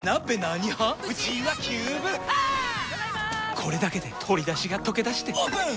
これだけで鶏だしがとけだしてオープン！